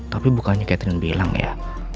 tapi bukannya catherine bilang ya